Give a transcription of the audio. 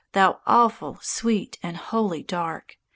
thou awful, sweet, and holy Dark!